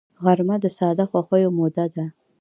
غرمه د ساده خوښیو موده ده